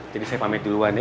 jadi saya pamit duluan ya